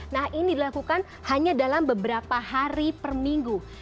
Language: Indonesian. nah ini dilakukan hanya dalam beberapa hari per minggu